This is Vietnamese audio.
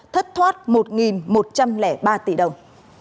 thất thoát một một trăm linh ba tỷ đồng